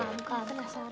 buka lagi pak